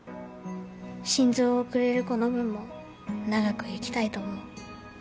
心臓をくれる子の分も長く生きたいと思う。